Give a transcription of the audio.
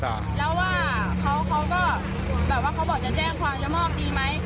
แล้วว่าเขาเขาก็แบบว่าเขาบอกจะแจ้งความจะมอบดีไหม